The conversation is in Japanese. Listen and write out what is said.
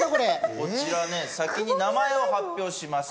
こちらね先に名前を発表します。